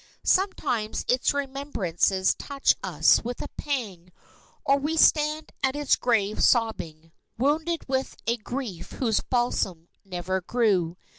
Sometimes its remembrances touch us with a pang, or we stand at its grave sobbing, wounded with a grief whose balsam never grew.